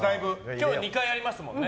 今日２回ありますもんね。